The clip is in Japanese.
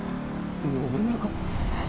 信長。